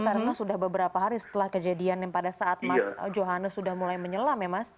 karena sudah beberapa hari setelah kejadian yang pada saat mas johan sudah mulai menyelam ya mas